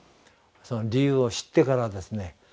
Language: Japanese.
その理由を知ってからですね